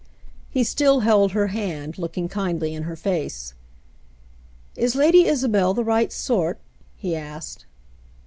He still held her hand, looking kindly in her face. " Is Lady Isabel the right sort ?" he asked.